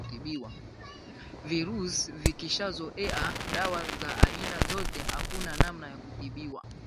virusi vikishazoea dawa za aina zote hakuna namna ya kutibiwa